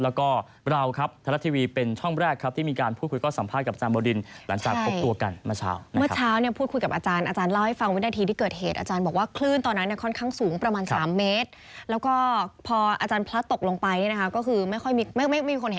แล้วก็เราครับไทรลัตทีวีเป็นช่องแรกครับที่มีการพูดคุยก้อสัมภาษณ์กับอาจารย์เบาดิน